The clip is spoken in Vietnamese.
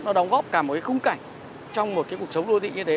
nó đóng góp cả một khung cảnh trong một cuộc sống đô thị như thế